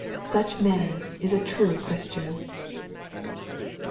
Such a man is a true Christian